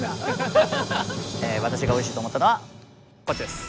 私がおいしいと思ったのはこっちです。